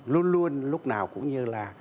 luôn luôn lúc nào cũng như là